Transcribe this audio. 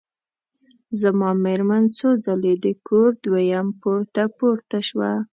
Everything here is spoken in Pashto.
زما مېرمن څو ځلي د کور دویم پوړ ته پورته شوه.